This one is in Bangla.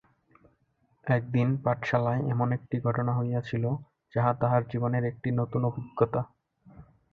একদিন পাঠশালায় এমন একটি ঘটনা হইয়াছিল, যাহা তাহার জীবনের একটি নতুন অভিজ্ঞতা।